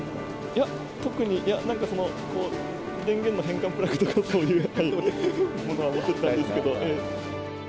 いや、特に、なんかその、電源の変換プラグとか、そういうものは持ってきたんですけど。